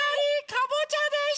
かぼちゃでした！